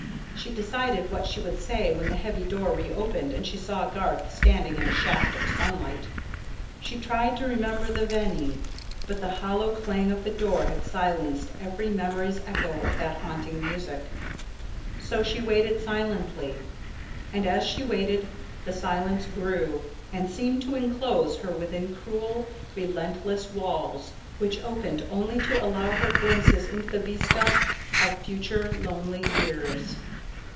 She decided what she would say when the heavy door reopened and she saw Garth standing in a shaft of sunlight. She tried to remember the VENI, but the hollow clang of the door had silenced even memory's echo of that haunting music. So she waited silently, and as she waited the silence grew and seemed to enclose her within cruel, relentless walls which opened only to allow her glimpses into the vista of future lonely years.